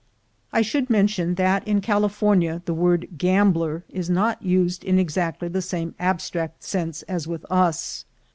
"i I should mention that in California the word gambler is not used in exactly the same abstract sense as with us.